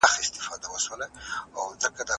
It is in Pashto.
موږ باید هوښیار اوسو.